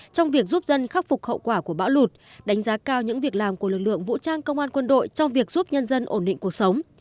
trong việc giúp dân khắc phục hậu quả của bão lụt đánh giá cao những việc làm của lực lượng vũ trang công an quân đội trong việc giúp nhân dân ổn định cuộc sống